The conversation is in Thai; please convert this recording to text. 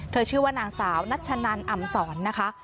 ชื่อว่านางสาวนัชนันอ่ำสอนนะคะ